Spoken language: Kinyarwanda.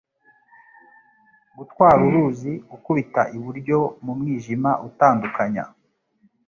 Gutwara uruzi gukubita iburyo mu mwijima utandukanya